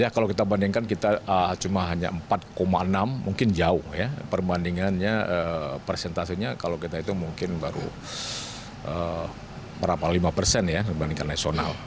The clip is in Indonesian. kalau kita bandingkan kita cuma hanya rp empat enam triliun mungkin jauh perbandingannya presentasinya kalau kita itu mungkin baru lima persen dibandingkan nasional